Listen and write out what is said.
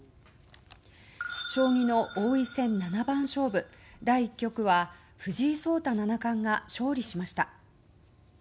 将棋の王位戦七番勝負第１局は藤井聡太七冠が勝利しました。